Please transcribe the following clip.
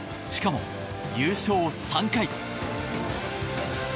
しかも優勝３回。